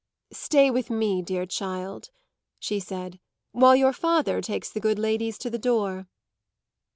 "Stay with me, dear child," she said, "while your father takes the good ladies to the door."